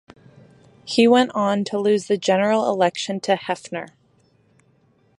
He went on to lose the general election to Hefner.